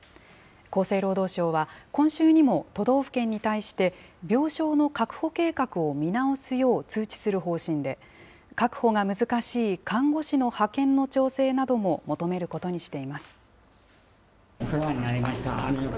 厚生労働省は、今週にも都道府県に対して病床の確保計画を見直すよう通知する方針で、確保が難しい看護師の派遣の調整なども求めることにしています。